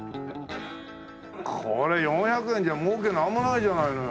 これ４００円じゃ儲けなんもないじゃないのよ。